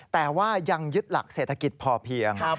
แต่ว่ายังยึดหลักเศรษฐกิจพอเพียง